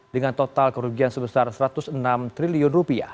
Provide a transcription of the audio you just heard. dengan total kerugian sebesar rp satu ratus enam triliun